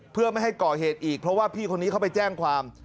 เพื่อไม่ให้ก่อเหตุอีกเพราะว่าพี่คนนี้เขาไปแจ้งความ